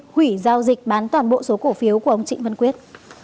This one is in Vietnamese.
hủy giao dịch bán toàn bộ số cổ phiếu của ông trịnh văn quyết